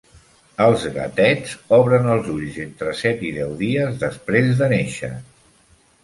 Els gatets obren els ulls entre set i deu dies després de néixer.